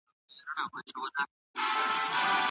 د تبرېز خلک ولې قتل عام شول؟